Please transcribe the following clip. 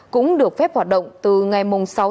cũng được phép hoạt động từ ngày mùng xuống